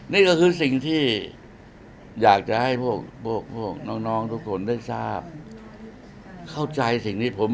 นี่ก็คือสิ่งที่อยากจะให้พวกพวกน้องน้องทุกคนได้ทราบเข้าใจสิ่งที่ผม